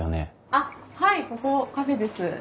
あっはいここカフェです。